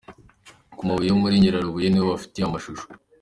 Ku mabuye yo muri Nyarubuye ni ho bafatiye amashusho.